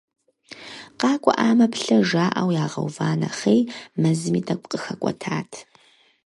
КъакӀуэӀамэ, плъэ, жаӀэу ягъэува нэхъей, мэзми тӀэкӀу къыхэкӀуэтат.